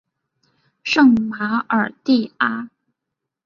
圣马尔蒂阿。